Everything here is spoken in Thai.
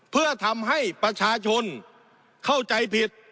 เพื่อทำให้ประชาชนเข้าใจผิด